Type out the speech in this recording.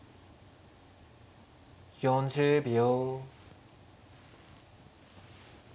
４０秒。